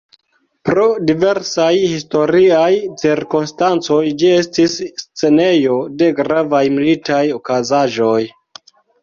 Pro diversaj historiaj cirkonstancoj ĝi estis scenejo de gravaj militaj okazaĵoj.